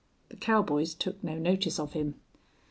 The cowboys took no notice of him.